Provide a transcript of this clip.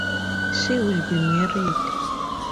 She will be married!